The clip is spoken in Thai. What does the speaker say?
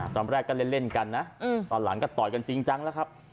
ตอนแรกก็เล่นกันนะตอนหลังก็ต่อยกันจริงจังแล้วครับ